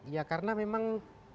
ya karena memang